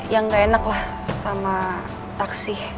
yang gak enak lah sama taksi